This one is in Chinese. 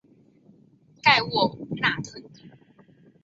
盖沃纳滕。